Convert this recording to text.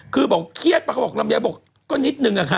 คือบอกเครียดเวลาของคนตามมีอยู่ก็นิดนึงค่ะ